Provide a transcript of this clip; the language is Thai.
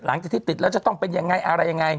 หลังจากที่ติดแล้วจะต้องเป็นยังไงอะไรยังไง